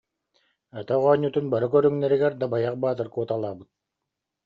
Атах оонньуутун бары көрүҥнэригэр Дабайах Баатыр куоталаабыт